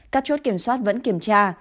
các chốt kiểm soát vẫn kiểm tra